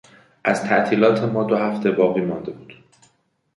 از تعطیلات ما دو هفته باقی مانده بود.